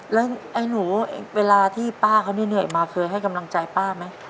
แล้วไอ้หนูเวลาที่ป้าเขาเหนื่อยมาเคยให้กำลังใจป้าไหม